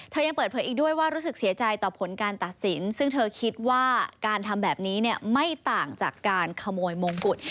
ยังเปิดเผยอีกด้วยว่ารู้สึกเสียใจต่อผลการตัดสินซึ่งเธอคิดว่าการทำแบบนี้เนี่ยไม่ต่างจากการขโมยมงกุฎ